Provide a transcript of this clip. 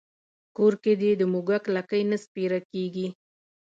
کور کې دې د موږک لکۍ نه سپېره کېږي.